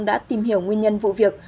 đã tìm hiểu nguyên nhân vụ việc